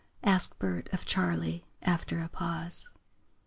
asked Bert of Charley, after a pause.